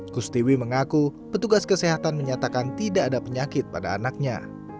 kustiwi mengaku petugas kesehatan menyatakan tidak ada penyakit pada anaknya